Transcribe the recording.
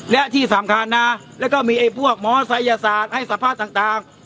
และที่สำคัญนะแล้วก็มีไอ้พวกหมอศัยศาสตร์ให้สัมภาษณ์ต่าง